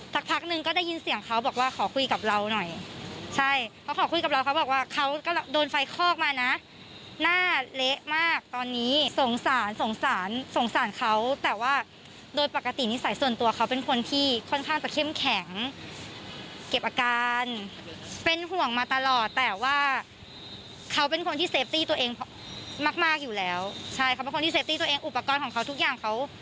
พักหนึ่งก็ได้ยินเสียงเขาบอกว่าขอคุยกับเราหน่อยใช่เขาขอคุยกับเราเขาบอกว่าเขาก็โดนไฟคอกมานะหน้าเละมากตอนนี้สงสารสงสารสงสารเขาแต่ว่าโดยปกตินิสัยส่วนตัวเขาเป็นคนที่ค่อนข้างจะเข้มแข็งเก็บอาการเป็นห่วงมาตลอดแต่ว่าเขาเป็นคนที่เซฟตี้ตัวเองมากมากอยู่แล้วใช่เขาเป็นคนที่เฟตี้ตัวเองอุปกรณ์ของเขาทุกอย่างเขา